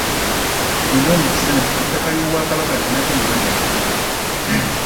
Nina omukisa nti ku ttaka ly’Obwakabaka ninako ebibanja bitaano.